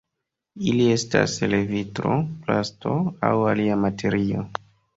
Ili estas el vitro, plasto, aŭ alia materio.